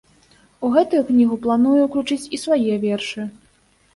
У гэтую кнігу планую ўключыць і свае вершы.